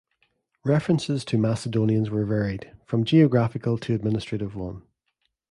References to "Macedonians" were varied, from geographical to administrative one.